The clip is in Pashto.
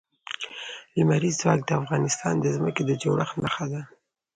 لمریز ځواک د افغانستان د ځمکې د جوړښت نښه ده.